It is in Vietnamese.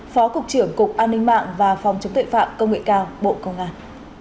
phó cục trưởng cục an ninh mạng và phòng chống tuệ phạm công nghệ cao bộ công an